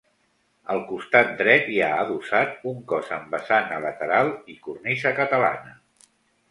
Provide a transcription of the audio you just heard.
Al costat dret hi ha adossat un cos amb vessant a lateral i cornisa catalana.